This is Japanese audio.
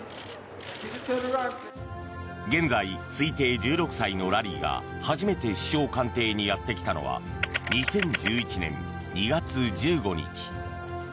現在、推定１６歳のラリーが初めて首相官邸にやってきたのは２０１１年２月１５日。